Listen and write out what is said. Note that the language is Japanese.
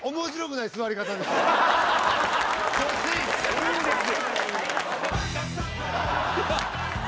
いいんですよ。